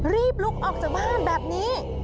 รีบลุกออกจากบ้านแบบนี้